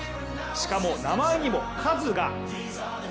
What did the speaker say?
しかも、名前にもカズが。